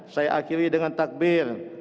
saya akhiri dengan takbir